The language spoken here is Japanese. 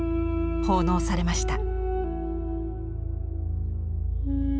奉納されました。